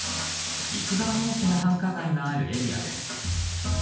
一番大きな繁華街があるエリアです。